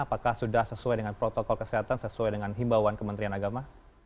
apakah sudah sesuai dengan protokol kesehatan sesuai dengan himbauan kementerian agama